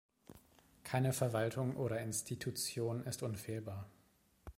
Keine Verwaltung oder Institution ist unfehlbar.